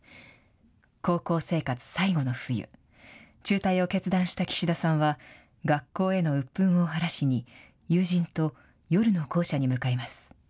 高校生活最後の冬、中退を決断した岸田さんは、学校へのうっぷんを晴らしに、友人と夜の校舎に向かいます。